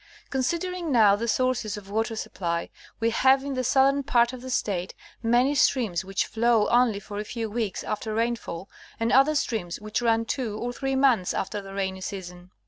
Considering now the sources of water supply : we have in the southern pai't of the State many streams which flow only for a few weeks after rainfall, and other streams which run two or three months after the rainy season.